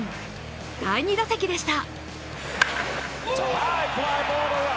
第２打席でした。